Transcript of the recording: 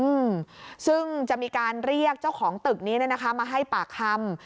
อืมซึ่งจะมีการเรียกเจ้าของตึกนี้มาให้ปากคำ